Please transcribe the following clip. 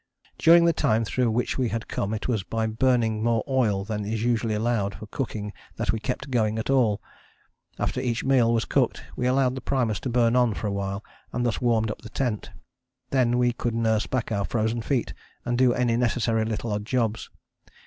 During the time through which we had come it was by burning more oil than is usually allowed for cooking that we kept going at all. After each meal was cooked we allowed the primus to burn on for a while and thus warmed up the tent. Then we could nurse back our frozen feet and do any necessary little odd jobs.